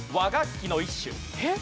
えっ！？